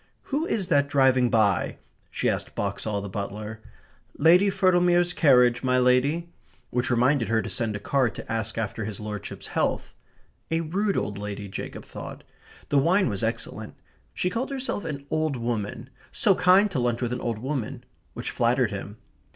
"Who is that driving by?" she asked Boxall, the butler. "Lady Firtlemere's carriage, my lady," which reminded her to send a card to ask after his lordship's health. A rude old lady, Jacob thought. The wine was excellent. She called herself "an old woman" "so kind to lunch with an old woman" which flattered him.